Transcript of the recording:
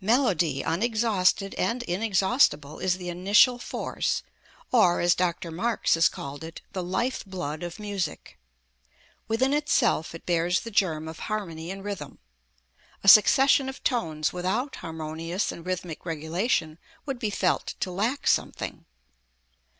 Melody, unexhausted and inexhaustible, is the initial force, or, as Dr. Marx has called it, the life blood of music. Within itself it bears the germ of harmony and rhythm. A succession of tones without harmonious and rhythmic regulation would be felt to lack something.